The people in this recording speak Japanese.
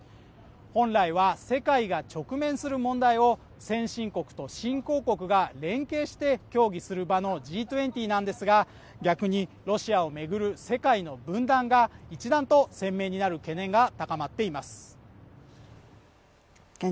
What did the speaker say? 本来は世界が直面する問題を、先進国と新興国が連携して協議する場のＧ２０なんですが、逆にロシアを巡る世界の分断が一段と鮮明になる懸念が高まっています。